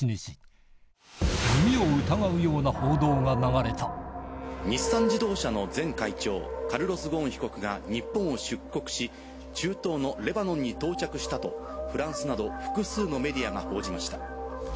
が流れた日産自動車の会長カルロス・ゴーン被告が日本を出国し中東のレバノンに到着したとフランスなど複数のメディアが報じました。